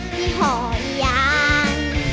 ที่หอย่าง